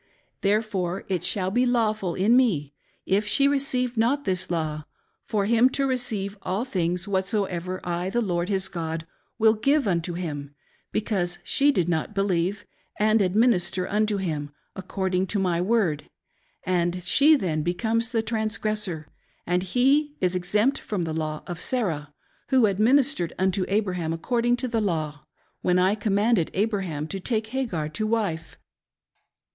Therefore, it shall be lawful in me, if she receive not this law, for him to receive all things whatsoever I, the Lord his God, will give unto him, because she did not believe and administer unto him, according to my word ; and she then becomes the transgressor, and he is exempt from the law of Sarah, who admin istered unto Abraham according to the law, when I commanded Abraham to take Hagar to wife.